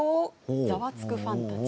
ざわつくファンたち。